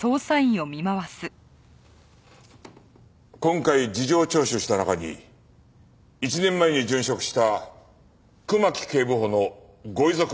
今回事情聴取した中に１年前に殉職した熊木警部補のご遺族がいらっしゃった。